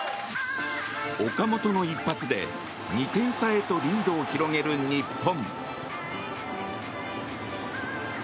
岡本の一発で２点差へとリードを広げる日本。